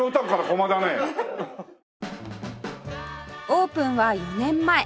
オープンは４年前